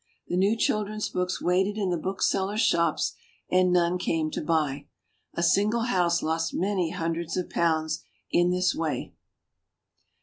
The new children's books waited in the booksellers' shops, and none came io buy. A single house lost many hun dreds of pounds in this way.